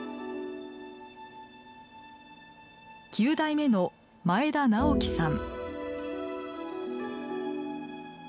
九代目の前田直樹さん。